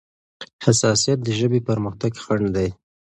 حساسيت د ژبې پرمختګ خنډ دی.